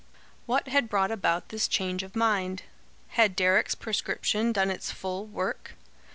What had brought about this change of mind? Had Deryck's prescription done its full work?